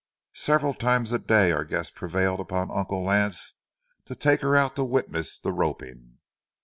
Several times a day our guest prevailed on Uncle Lance to take her out to witness the roping.